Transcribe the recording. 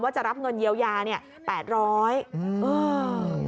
ว่าจะรับเงินเยียวยาแบบ๘๐๐